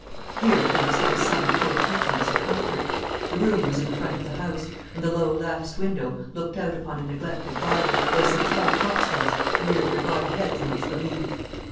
Here at least there was some poor pretence of comfort. The room was in the front of the house, and the low latticed window looked out upon a neglected garden, where some tall foxgloves reared their gaudy heads amongst the weeds.